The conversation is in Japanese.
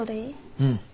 うん。